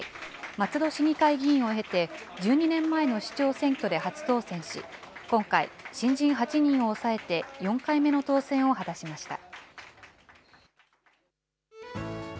松戸市議会議員を経て、１２年前の市長選挙で初当選し、今回、新人８人を抑えて、４回目の当選を果たしました。